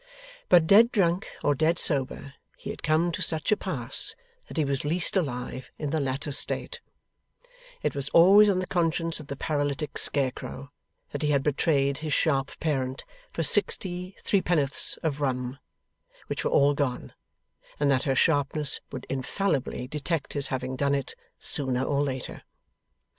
But dead drunk or dead sober (he had come to such a pass that he was least alive in the latter state), it was always on the conscience of the paralytic scarecrow that he had betrayed his sharp parent for sixty threepennyworths of rum, which were all gone, and that her sharpness would infallibly detect his having done it, sooner or later.